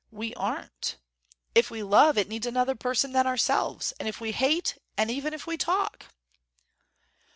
We aren't. If we love, it needs another person than ourselves. And if we hate, and even if we talk."